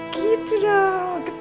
gitu dong ketat